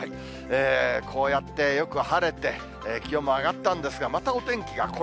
こうやってよく晴れて、気温も上がったんですが、またお天気がこ